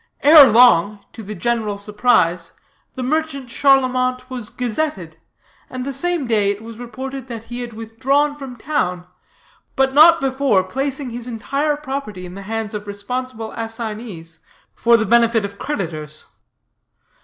"Ere long, to the general surprise, the merchant Charlemont was gazetted, and the same day it was reported that he had withdrawn from town, but not before placing his entire property in the hands of responsible assignees for the benefit of creditors.